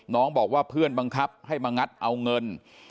น้องบอกว่าเพื่อนบังคับให้มางัดเอาเงิน